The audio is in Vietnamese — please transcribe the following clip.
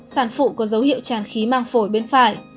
sản phụ có dấu hiệu tràn khí mang phổi bên phải